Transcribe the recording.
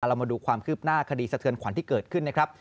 เรามาดูความคืบหน้าคดีสะเทือนขวัญที่เกิดขึ้นนะครับ